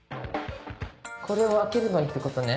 これ開ければいいってことね。